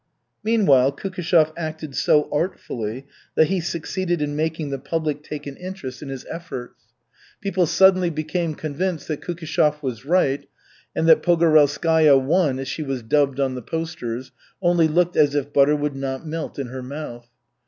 Meanwhile Kukishev acted so artfully that he succeeded in making the public take an interest in his efforts. People suddenly became convinced that Kukishev was right and that Pogorelskaya I, as she was dubbed on the posters, only looked as if butter would not melt in her mouth.